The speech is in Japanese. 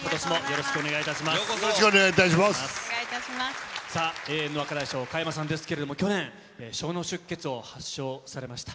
震災後、さあ、永遠の若大将、加山さんですけれども、去年、小脳出血を発症されました。